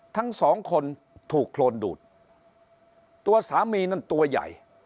ทั้งสองคนถูกโครนดูดตัวสามีนั้นตัวใหญ่